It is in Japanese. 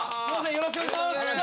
よろしくお願いします。